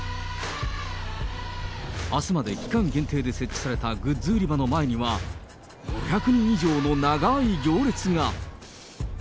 あすまで期間限定で設置されたグッズ売り場の前には、５００人以上の長い行列が。